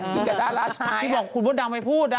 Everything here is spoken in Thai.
กินกับดาราชายอย่าไปพูดกับคุณบ้นดำ